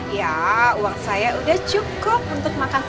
iya uang saya sudah cukup untuk makan